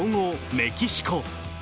メキシコ。